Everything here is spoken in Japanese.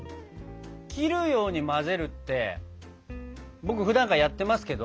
「切るように混ぜる」って僕ふだんからやってますけど。